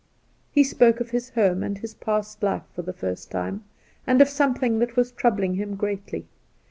He spoke of his home and his past life — for the first time — and of something that was troubling him greatly.